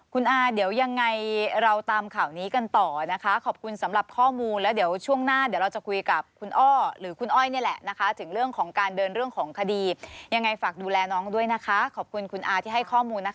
คุณอาเดี๋ยวยังไงเราตามข่าวนี้กันต่อนะคะขอบคุณสำหรับข้อมูลแล้วเดี๋ยวช่วงหน้าเดี๋ยวเราจะคุยกับคุณอ้อหรือคุณอ้อยนี่แหละนะคะถึงเรื่องของการเดินเรื่องของคดียังไงฝากดูแลน้องด้วยนะคะขอบคุณคุณอาที่ให้ข้อมูลนะคะ